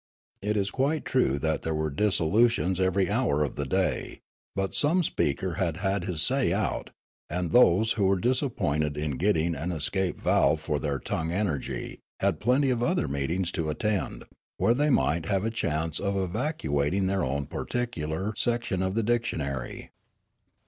It is quite true that there were dis solutions every hour of the day; but some speaker had had his say out, and those who were disappointed in getting an escape valve for their tongue energy had plenty of other meetings to attend, where they might have a chance of evacuating their own particular sec tion of the dictionary.